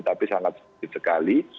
tapi sangat sedikit sekali